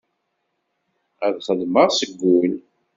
A xeddmeɣ s wul.